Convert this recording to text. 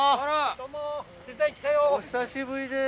・どうも・お久しぶりです。